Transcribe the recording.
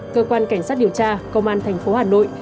cơ quan cảnh sát điều tra công an thành phố hà nội